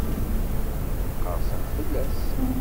Qerrsen-d fell-as?